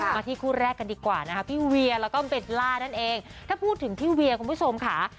มาที่คู่แรกกันดีกว่านะคะพี่เวียแล้วก็เบลล่านั่นเองถ้าพูดถึงพี่เวียคุณผู้ชมค่ะ